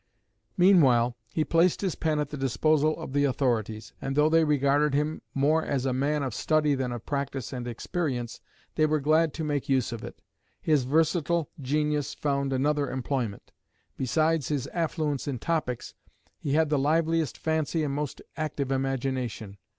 Meanwhile he placed his pen at the disposal of the authorities, and though they regarded him more as a man of study than of practice and experience, they were glad to make use of it. His versatile genius found another employment. Besides his affluence in topics, he had the liveliest fancy and most active imagination.